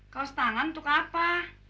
kaos tangan untuk apa